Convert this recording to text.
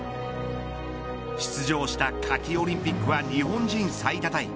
出場した夏季オリンピックは日本人最多タイ。